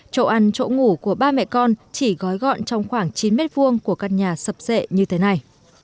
chỗ ăn chỗ ngủ của ba mẹ con chỉ gói gọn trong khoảng chín m hai của căn nhà sập sệ như thế này